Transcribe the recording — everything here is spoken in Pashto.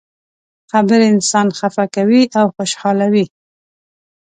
خبرې انسان خفه کوي او خوشحالوي.